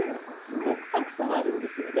すごくたくさんあるんですよね。